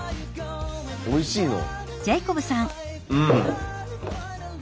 おいしいの？